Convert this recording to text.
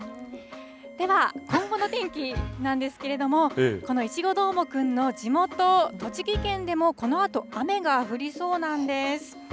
では、今後の天気なんですけれども、このいちごどーもくんの地元、栃木県でも、このあと雨が降りそうなんです。